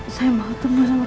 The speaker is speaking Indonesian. saya mau ketemu sama